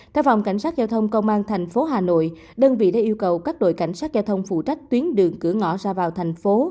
theo phòng cảnh sát giao thông công an thành phố hà nội đơn vị đã yêu cầu các đội cảnh sát giao thông phụ trách tuyến đường cửa ngõ ra vào thành phố